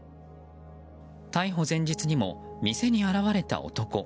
逮捕前日にも店に現れた男。